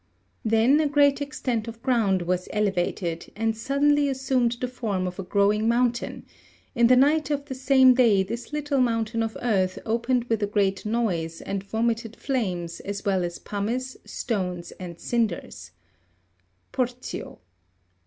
Then a great extent of ground was elevated, and suddenly assumed the form of a growing moun tain ; in the night of the same day this little mountain of earth opened with a great noise, and vomited flames, as well as pumice, stones and cinders (Porzio).